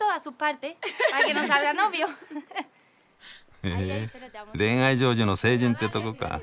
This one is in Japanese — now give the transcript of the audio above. へぇ恋愛成就の聖人ってとこか。